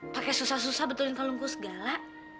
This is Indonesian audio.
pakai susah susah betulin kalungku segala